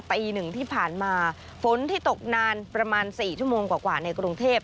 ปีหนึ่งที่ผ่านมาฝนที่ตกนานประมาณ๔ชั่วโมงกว่าในกรุงเทพ